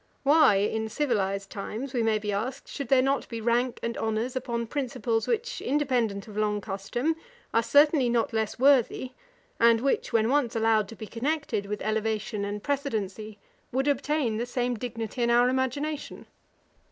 Why, in civilised times, we may be asked, should there not be rank and honours, upon principles, which, independent of long custom, are certainly not less worthy, and which, when once allowed to be connected with elevation and precedency, would obtain the same dignity in our imagination?